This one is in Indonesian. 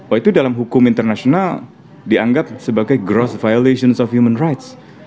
oh itu dalam hukum internasional dianggap sebagai gross violations of human rights